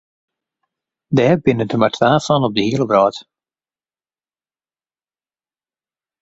Dêr binne der mar twa fan op de hiele wrâld.